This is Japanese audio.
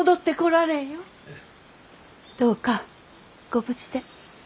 どうかご無事で。